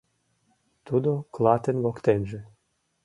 Тудо клатын воктенже